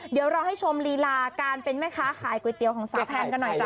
เดี๋ยวเราให้ชมรีลาการเป็นแม่ค้าขายก๋วยเตี๋ยวของสาวแพนกันหน่อยจ้